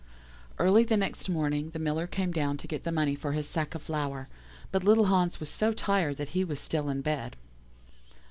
"Early the next morning the Miller came down to get the money for his sack of flour, but little Hans was so tired that he was still in bed.